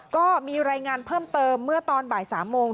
ก็มีรายงานเพิ่มเติมเมื่อตอนบ่าย๓โมง